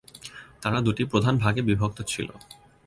তারা দুটি প্রধান ভাগে বিভক্ত ছিল।